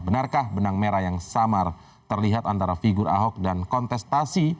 benarkah benang merah yang samar terlihat antara figur ahok dan kontestasi